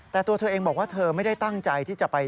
แต่ตัวเธอเองบอกว่าเธอไม่ได้ตั้งใจที่จะไป